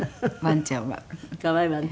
可愛いわね。